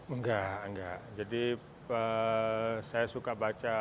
enggak enggak jadi saya suka baca